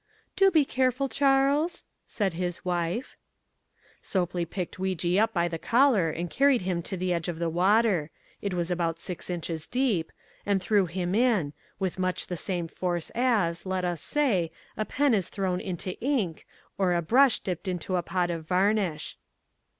"Do be careful, Charles," said his wife. Sopley picked Weejee up by the collar and carried him to the edge of the water it was about six inches deep, and threw him in, with much the same force as, let us say, a pen is thrown into ink or a brush dipped into a pot of varnish.